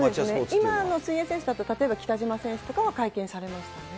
今、水泳選手だと北島選手とかは会見されましたね。